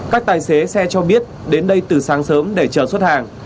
các tài xế xe cho biết đến đây từ sáng sớm để chờ xuất hàng